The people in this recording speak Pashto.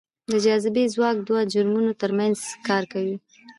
د جاذبې ځواک دوو جرمونو ترمنځ کار کوي.